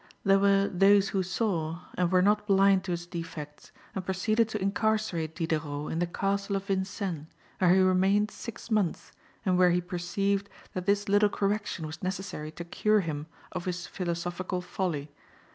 There were "those who saw" and were not blind to its defects, and proceeded to incarcerate Diderot in the Castle of Vincennes, where he remained six months, and where he perceived that this little correction was necessary to cure him of his philosophical folly.